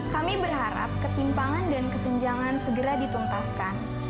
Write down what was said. kami berharap ketimpangan dan kesenjangan segera dituntaskan